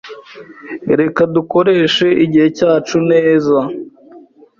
Reka dukoreshe igihe cyacu neza.